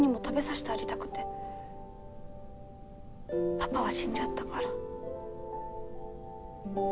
パパは死んじゃったから。